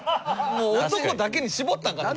もう男だけに絞ったんかな？